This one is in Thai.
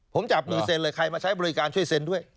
ผมจับมือเซ็นเลยใครมาใช้บริการช่วยเซ็นด้วย